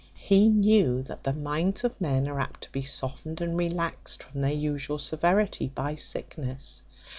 He knew that the minds of men are apt to be softened and relaxed from their usual severity by sickness.